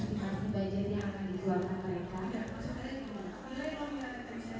tetapi setelah saya makan saya mendengar